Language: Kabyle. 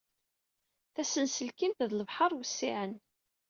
Tasenselkimt d lebḥer wessiɛen.